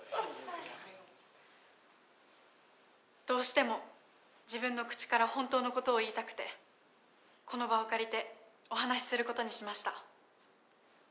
どうしても自分の口から本当のことを言いたくてこの場を借りてお話しすることにしました。